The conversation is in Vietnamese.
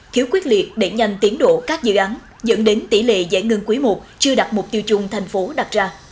khiếu quyết liệt để nhanh tiến đổ các dự án dẫn đến tỷ lệ giải ngân quý i chưa đạt mục tiêu chung thành phố đạt ra